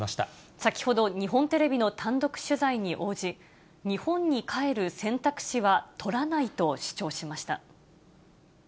先ほど、日本テレビの単独取材に応じ、日本に帰る選択肢は取らないと主張しました。